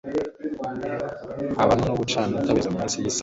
habano gucana itabaza ku munsi w'isabato.